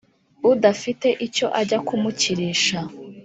udafite icyo ajya kumukirisha